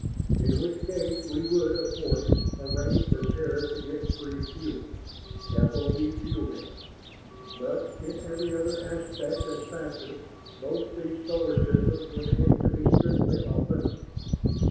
In which case we would, of course, arrange for Terra to get free fuel FOB Fuel Bin but in every other aspect and factor both these solar systems would have to be strictly off limits."